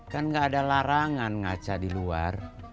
kan gak ada larangan ngaca di luar